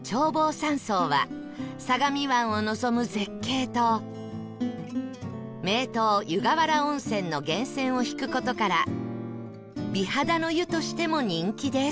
山荘は相模湾を望む絶景と名湯湯河原温泉の源泉を引く事から美肌の湯としても人気です